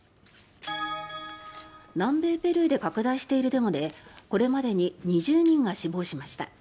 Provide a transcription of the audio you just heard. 南米ペルーで拡大しているデモでこれまでに２０人が死亡しました。